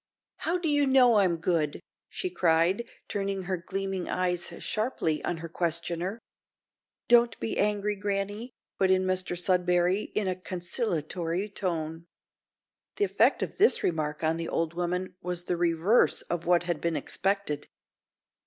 "How do ye know I'm good?" she cried, turning her gleaming eyes sharply on her questioner. "Don't be angry, granny," put in Mr Sudberry, in a conciliatory tone. The effect of this remark on the old woman, was the reverse of what had been expected.